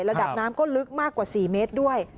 ระดับน้ำก็ลึกมากกว่า๔เมตรด้วย